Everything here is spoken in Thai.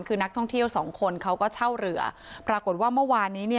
คือนักท่องเที่ยวสองคนเขาก็เช่าเรือปรากฏว่าเมื่อวานนี้เนี่ย